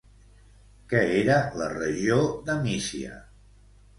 Què era la regió de Mísia?